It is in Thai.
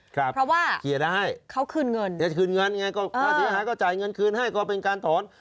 ครับเขียนได้เขาคืนเงินเขาคืนเงินอย่างไรก็ถ้าเสียหายก็จ่ายเงินคืนให้ก็เป็นการถอน